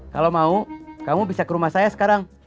kalau mau kamu bisa ke rumah saya sekarang